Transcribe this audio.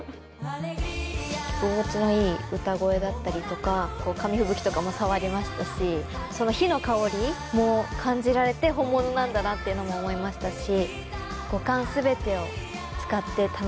聴き心地のいい歌声だったりとか紙吹雪とかも触りましたしその火の香りも感じられて本物なんだなっていうのも思いましたし。